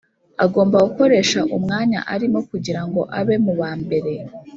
Agomba gukoresha umwanya arimo kugira ngo abe mu ba mbere